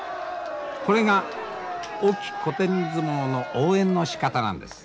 これが隠岐古典相撲の応援のしかたなんです。